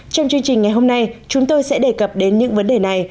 trong chương trình ngày hôm nay chúng tôi sẽ đề cập đến những vấn đề này